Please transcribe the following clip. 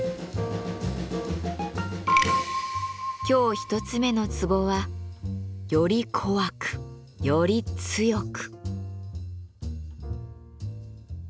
今日１つ目の壺は「より怖くより強く」。